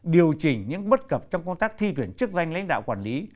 điều chỉnh những bất cập trong công tác thi tuyển chức danh lãnh đạo quản lý